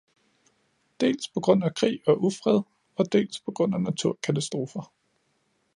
Dels på grund af krig og ufred og dels på grund af naturkatastrofer.